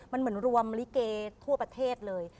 มันเหมือนรวมลิเกทั่วประเทศเลย